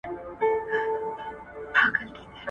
د پوهي او علم د ودي له پاره نوي کتابونه چاپ سول.